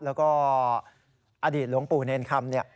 แล้วก็อดีตหลวงปู่เนรคัม